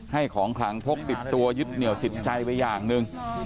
ให้ของขลังพกติดตัวยึดเหนียวจิตใจไปอย่างหนึ่ง